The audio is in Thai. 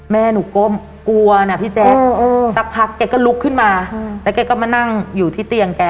แม่หนูก้มกลัวนะพี่แจ๊คสักพักแกก็ลุกขึ้นมาแล้วแกก็มานั่งอยู่ที่เตียงแก